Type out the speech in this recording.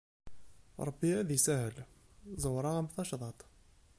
Ṛebbi ad isahel, zewreɣ-am tacḍaṭ.